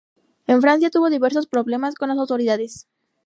En Francia tuvo diversos problemas con las autoridades.